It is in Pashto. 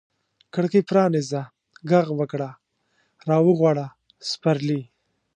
کړکۍ پرانیزه، ږغ وکړه را وغواړه سپرلي